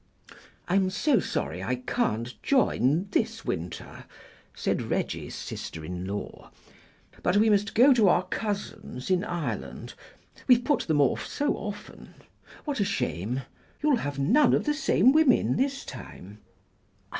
"I'm so sorry I can't join this winter," said Reggie's sister in law, "but we must go to our cousins in Ireland; we've put them off so often. What a shame! You'll have none of the same women this time."